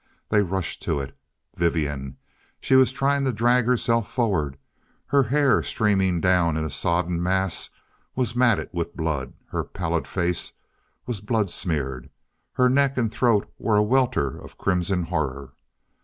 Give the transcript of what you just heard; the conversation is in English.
They rushed to it. Vivian! She was trying to drag herself forward. Her hair, streaming down in a sodden mass, was matted with blood. Her pallid face was blood smeared. Her neck and throat were a welter of crimson horror.